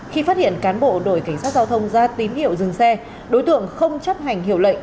khi phát hiện cán bộ đội cảnh sát giao thông ra tín hiệu dừng xe đối tượng không chấp hành hiệu lệnh